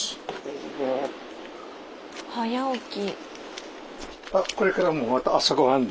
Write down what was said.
早起き。